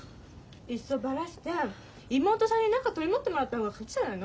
いっそバラして妹さんに仲取り持ってもらった方が勝ちじゃないの？